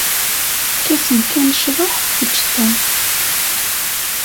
Efk-asen kan ccḍeḥ, teǧǧeḍ-ten.